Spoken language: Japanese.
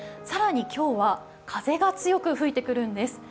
更に今日は風が強く吹いてくるんです。